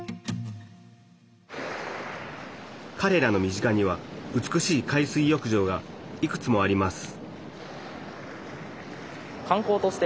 かれらの身近には美しい海水浴場がいくつもあります